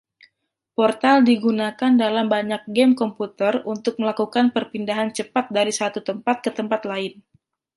Portal digunakan dalam banyak game komputer untuk melakukan perpindahan cepat dari satu tempat ke tempat lain.